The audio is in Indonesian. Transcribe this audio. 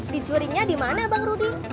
dicurinya di mana bang rudi